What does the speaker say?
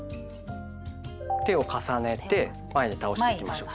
手を重ねて前に倒していきましょう。